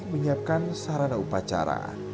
menyiapkan sarana upacara